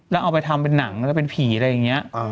แล้วเอาไปทำเป็นหนังแล้วเป็นผีอะไรอย่างนี้